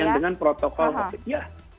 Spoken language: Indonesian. yang dengan protokol covid sembilan belas